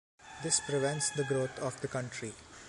This prevents the growth of the country.